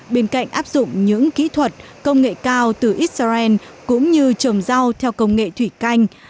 bên cạnh áp dụng những kỹ thuật công nghệ cao từ israel cũng như trồng rau theo công nghệ thủy canh